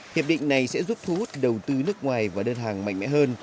hiệp định này sẽ giúp thu hút đầu tư nước ngoài và đơn hàng mạnh mẽ hơn